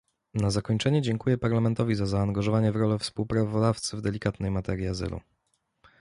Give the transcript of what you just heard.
Na zakończenie dziękuję Parlamentowi za zaangażowanie w rolę współprawodawcy w delikatnej materii azylu